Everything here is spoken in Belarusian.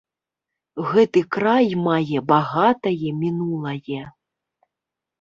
Гэты край мае багатае мінулае.